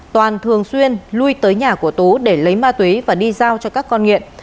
toàn thường xuyên lui tới nhà của tú để lấy ma túy và đi giao cho các con nghiện